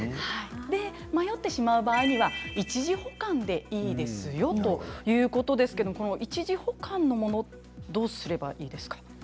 迷ってしまう場合は一時保管でいいですよということですが一時保管の物どうすればいいですか？